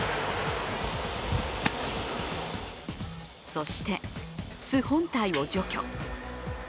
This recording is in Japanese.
そして、巣本体を除去。